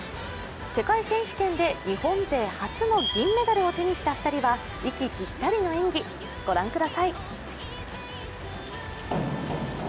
世界選手権で日本勢初の銀メダルを手にした２人は息ぴったりの演技、御覧ください。